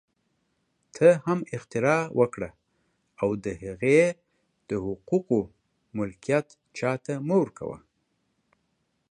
ته هم اختراع وکړه او د هغې د حقوقو ملکیت چا ته مه ورکوه